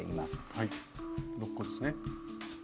はい６個ですね。